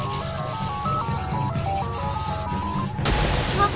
あっ！